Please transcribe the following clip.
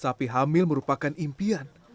sapi hamil merupakan impian